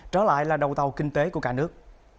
trở lại là đầu tàu kinh tế của cả nước